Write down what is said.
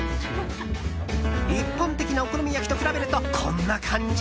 一般的なお好み焼きと比べるとこんな感じ。